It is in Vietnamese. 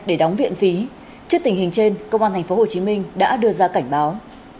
để đóng viện phí trước tình hình trên công an tp hcm đã đưa ra cảnh báo